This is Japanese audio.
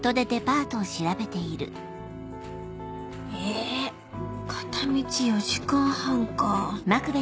え片道４時間半かぁ。